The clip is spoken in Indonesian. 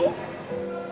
tenang aja ya